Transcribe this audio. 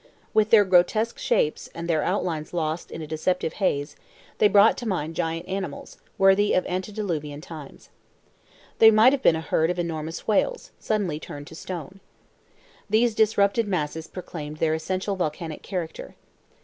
With their grotesque shapes, and their outlines lost in a deceptive haze, they brought to mind giant animals, worthy of antediluvian times. They might have been a herd of enormous whales, suddenly turned to stone. These disrupted masses proclaimed their essentially volcanic character.